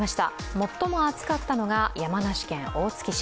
最も暑かったのが山梨県大月市。